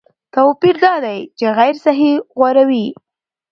توپیر دا دی چې غیر صحي غوراوي